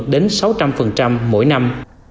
đến sáu trăm linh mỗi năm